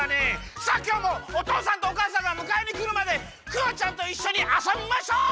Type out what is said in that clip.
さあきょうもおとうさんとおかあさんがむかえにくるまでクヨちゃんといっしょにあそびましょう。